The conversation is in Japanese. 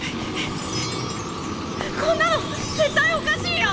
こんなの絶対おかしいよ！